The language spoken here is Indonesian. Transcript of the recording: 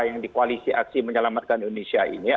yang dikoalisi aksi menyelamatkan indonesia ini